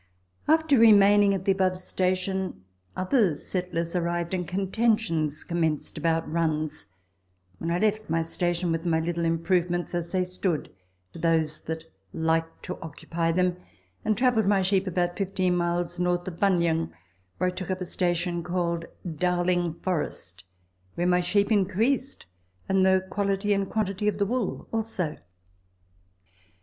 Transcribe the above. After remaining at the above station other settlers arrived, and contentions commenced about runs, when I left my station with my little improvements as they stood, to those that liked to occupy them, and travelled my sheep about fifteen miles north of Buninyong, where I took up a 1G6 Letters from Victorian Pioneers. station called Dowliug Forest, where my sheep increased, and the quality and quantity of the wool also.